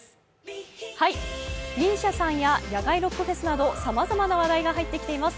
ＭＩＳＩＡさんや野外ロックフェスなどさまざまな話題が入ってきています。